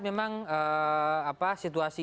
memang apa situasi